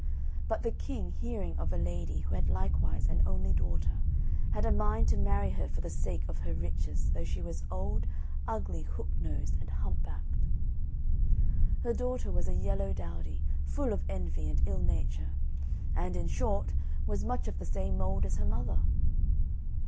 But the king hearing of a lady who had likewise an only daughter, had a mind to marry her for the sake of her riches, though she was old, ugly, hook nosed, and hump backed. Her daughter was a yellow dowdy, full of envy and ill nature; and, in short, was much of the same mould as her mother.